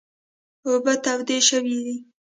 اوبه تودې شوي دي .